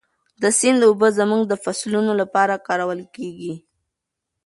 د سیند اوبه زموږ د فصلونو لپاره کارول کېږي.